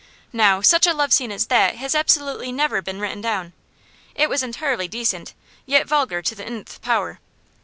Now, such a love scene as that has absolutely never been written down; it was entirely decent, yet vulgar to the nth power.